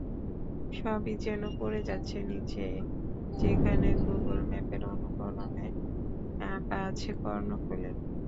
সবই যেন পড়ে যাচ্ছে নিচে, যেখানে গুগল ম্যাপের অনুকরণে অাঁকা আছে কর্ণফুলী।